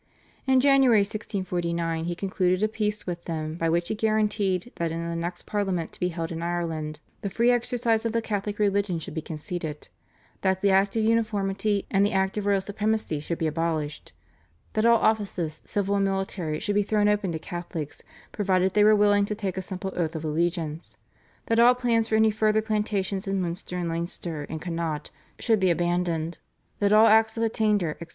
In January 1649 he concluded a peace with them by which he guaranteed that in the next Parliament to be held in Ireland the free exercise of the Catholic religion should be conceded; that the Act of Uniformity and the Act of Royal Supremacy should be abolished; that all offices, civil and military, should be thrown open to Catholics provided they were willing to take a simple oath of allegiance; that all plans for any further plantations in Munster, Leinster, and Connaught should be abandoned, that all Acts of Attainder, etc.